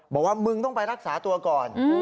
บอกว่ามึงต้องไปรักษาตัวก่อน